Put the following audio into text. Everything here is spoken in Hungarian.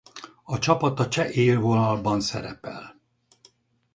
A csapat a cseh élvonalban szerepel.